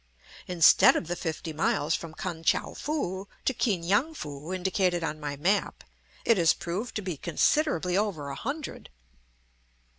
Instead of the fifty miles from Kan tchou foo to Ki ngan foo indicated on my map, it has proved to be considerably over a hundred.